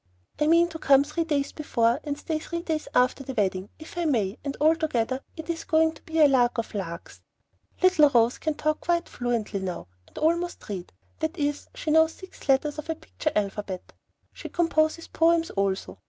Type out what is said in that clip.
I mean to come three days before, and stay three days after the wedding, if I may, and altogether it is going to be a lark of larks. Little Rose can talk quite fluently now, and almost read; that is, she knows six letters of her picture alphabet. She composes poems also.